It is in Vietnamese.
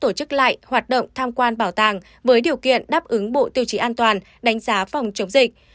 tổ chức lại hoạt động tham quan bảo tàng với điều kiện đáp ứng bộ tiêu chí an toàn đánh giá phòng chống dịch